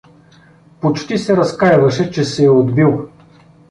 Почти се разкайваше, че се е отбил.